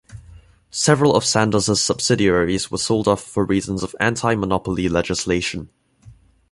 Several of Sandoz's subsidiaries were sold off for reasons of anti monopoly legislation.